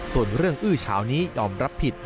ส่วนเรื่องอื้อเช้านี้ยอมรับผิด